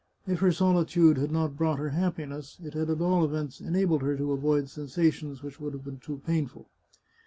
If her solitude had not brought her happiness, it had at all events enabled her to avoid sensations which would have been too painful.